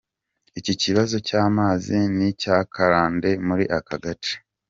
Iki kibazo cy’amazi ni karande muri aka gace.